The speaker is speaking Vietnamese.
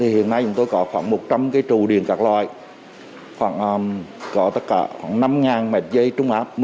hiện nay chúng tôi có khoảng một trăm linh cái trù điện các loại khoảng có tất cả khoảng năm ngàn mạch dây trung áp